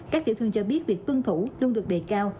các tiểu thương cho biết việc tuân thủ luôn được đề cao